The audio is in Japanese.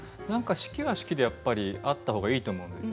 式は式であったほうがいいと思うんです。